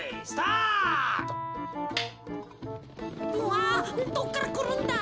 うわどっからくるんだ？